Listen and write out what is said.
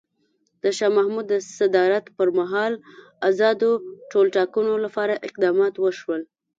د شاه محمود د صدارت پر مهال ازادو ټولټاکنو لپاره اقدامات وشول.